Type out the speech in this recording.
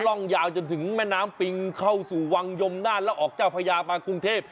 ร่องยาวจนถึงแม่น้ำปิงเข้าสู่วังยมนานแล้วออกเจ้าพญามากรุงเทพ